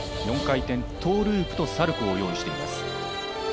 ４回転トーループとサルコーを用意しています。